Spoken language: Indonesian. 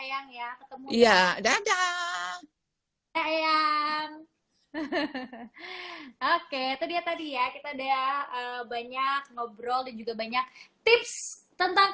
ya yang ya iya dadah ayam oke itu dia tadi ya kita udah banyak ngobrol juga banyak tips tentang